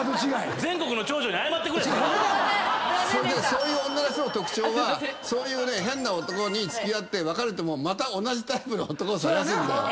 そういう女の人の特徴はそういう変な男と付き合って別れてもまた同じタイプの男探すんだよ。